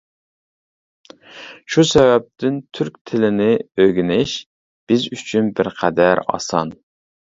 شۇ سەۋەبتىن، تۈرك تىلىنى ئۆگىنىش بىز ئۈچۈن بىرقەدەر ئاسان.